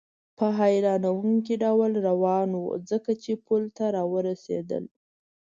په حیرانوونکي ډول روان و، څنګه چې پل ته را ورسېدل.